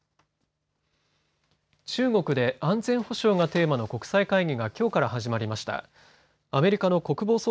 中国で安全保障がテーマの国際会議がきょうから始まりました。